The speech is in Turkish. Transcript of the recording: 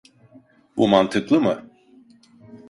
Bu mantıklı mı?